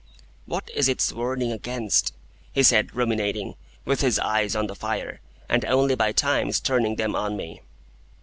"What is its warning against?" he said, ruminating, with his eyes on the fire, and only by times turning them on me.